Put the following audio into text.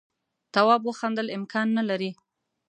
تواب وخندل امکان نه لري.